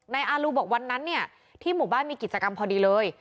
อารูบอกวันนั้นเนี่ยที่หมู่บ้านมีกิจกรรมพอดีเลย